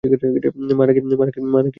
মা নাকি বাবার প্রিয় মেয়ে?